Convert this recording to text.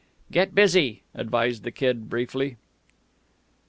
"Get busy," advised the Kid briefly.